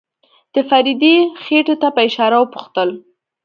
د فريدې خېټې ته په اشاره وپوښتل.